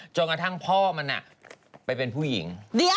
จนกระทั่งพ่อมันไปเป็นผู้หญิง